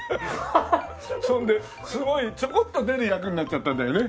それですごいちょこっと出る役になっちゃったんだよね。